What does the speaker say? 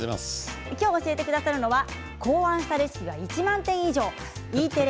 今日、教えてくださるのは考案した料理は１万点以上Ｅテレ